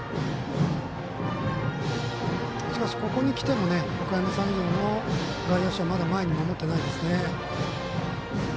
しかし、ここにきてもおかやま山陽の外野手はまだ前に守ってないですね。